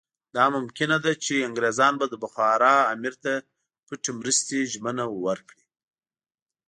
دا ممکنه ده چې انګریزان به د بخارا امیر ته پټې مرستې ژمنه ورکړي.